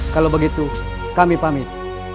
kalau begitu kami pamit